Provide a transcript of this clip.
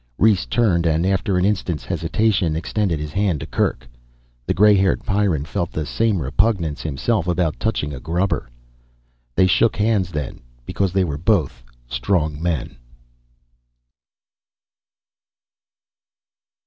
Rhes turned and after an instant's hesitation, extended his hand to Kerk. The gray haired Pyrran felt the same repugnance himself about touching a grubber. They shook hands then because they were both strong men.